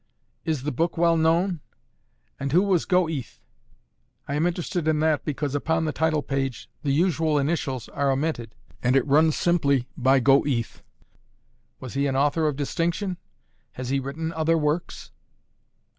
"Is the book well known? and who was GO EATH? I am interested in that, because upon the title page the usual initials are omitted, and it runs simply 'by GO EATH.' Was he an author of distinction? Has he written other works?"